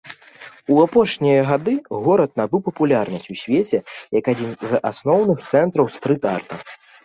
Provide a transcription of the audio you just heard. У апошнія гады горад набыў папулярнасць у свеце як адзін з асноўных цэнтраў стрыт-арта.